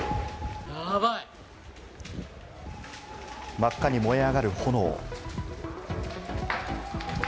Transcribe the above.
真っ赤に燃え上がる炎。